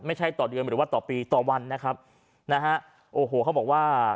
ต่อเดือนหรือว่าต่อปีต่อวันนะครับนะฮะโอ้โหเขาบอกว่า